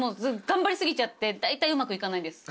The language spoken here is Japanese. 頑張り過ぎちゃってだいたいうまくいかないです。